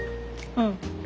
うん。